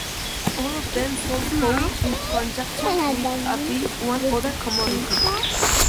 All of them sold coal in conjunction with at least one other commodity.